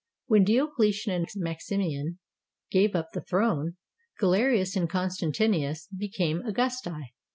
When Diocletian and Maximian gave up the throne, Galerius and Constantius became Augusti.